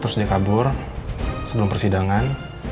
terus dia kabur sebelum persidangan